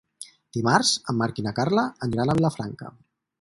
Dimarts en Marc i na Carla aniran a Vilafranca.